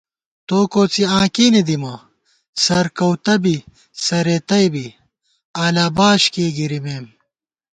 توکوڅی آں کېنےدِمہ سرکَؤتہ بی سرېتَئ بی، اَلہ باش کېئی گِرِمېم